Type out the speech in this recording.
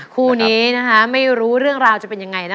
คู่นี้ไม่รู้เรื่องราวจะเป็นยังไง